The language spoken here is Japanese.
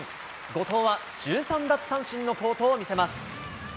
後藤は１３奪三振の好投を見せます。